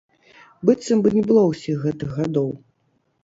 Быццам бы не было ўсіх гэтых гадоў!